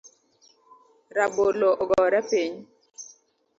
Rabolo ogore piny